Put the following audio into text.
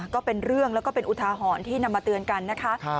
ก็เป็นเรื่องแล้วก็เป็นอุทาหรณ์ที่นำมาเตือนกันนะคะ